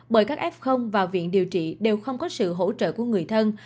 bởi các f vào viện điều trị đều không có sự hỗ trợ của người thân